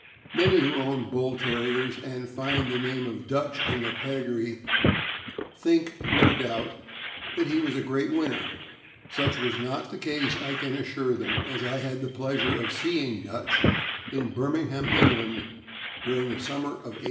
Many who own Bull Terriers, and find the name of Dutch in their pedigree, think, no doubt, that he was a great winner. Such was not the case, I can assure them, as I had the pleasure of seeing Dutch in Birming ham, England, during the summer of 1887.